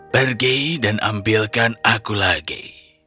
pergi dan ambilkan aku lagi